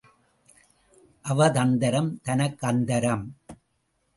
அவதந்திரம் தனக்கு அந்தரம்.